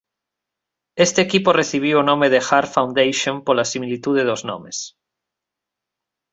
Este equipo recibiu o nome de Hart Foundation pola similitude dos nomes.